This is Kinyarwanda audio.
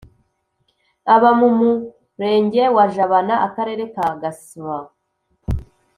aba mu Murenge wa Jabana Akarere ka Gasbo